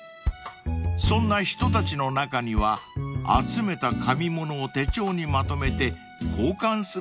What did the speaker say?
［そんな人たちの中には集めた紙物を手帳にまとめて交換するというつわものもいるんだそうです］